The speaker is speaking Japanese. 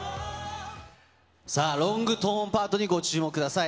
さあ、ロングトーンパートにご注目ください。